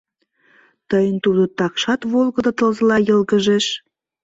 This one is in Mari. — Тыйын тудо такшат волгыдо тылзыла йылгыжеш.